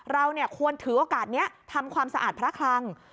เราควรถือโอกาสนี้ทำความสะอาดพระคลัง